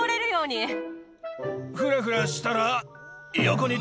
ふらふらしたら。